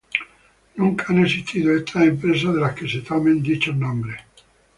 Nunca han existido estas empresas de las que se tomen dichos nombres.